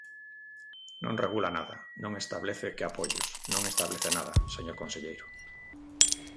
Non regula nada, non establece que apoios, non establece nada, señor conselleiro.